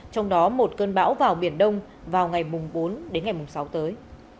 trong đó một cơn bão vào biển đông vào ngày bốn sáu tới